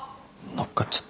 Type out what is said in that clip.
乗っかっちゃった。